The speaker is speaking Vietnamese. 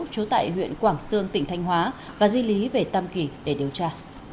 trú tại huyện quảng sương tỉnh thanh hóa và di lý về tam kỳ để điều tra